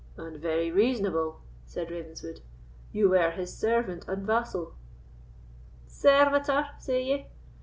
"And very reasonable," said Ravenswood; "you were his servant and vassal." "Servitor, say ye?"